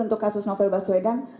untuk kasus novel baswedang